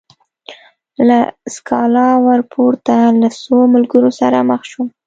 له سکالا ورپورته له څو ملګرو سره مخ شوم.